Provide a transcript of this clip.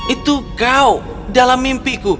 itu kau dalam mimpiku